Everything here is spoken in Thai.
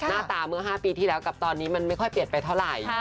หน้าตาเมื่อ๕ปีที่แล้วกับตอนนี้มันไม่ค่อยเปลี่ยนไปเท่าไหร่